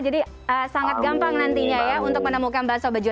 jadi sangat gampang nantinya ya untuk menemukan bahasa bejo